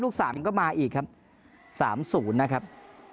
ลูกสามก็มาอีกครับสามศูนย์นะครับ